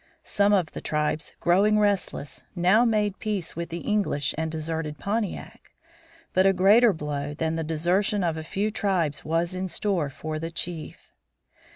Some of the tribes growing restless, now made peace with the English and deserted Pontiac. But a greater blow than the desertion of a few tribes was in store for the chief.